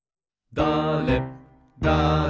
だれだれ